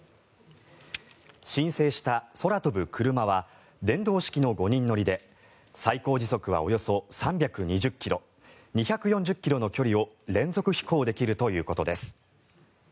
申請した空飛ぶクルマは電動式の５人乗りで最高時速はおよそ３２０ｋｍ２４０ｋｍの距離を連続飛行できるということです。